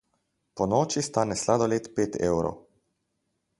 Ponoči stane sladoled pet evrov.